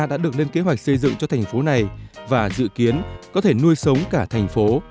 đã được lên kế hoạch xây dựng cho thành phố này và dự kiến có thể nuôi sống cả thành phố